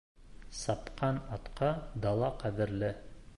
Сапҡан атҡа дала ҡәҙерле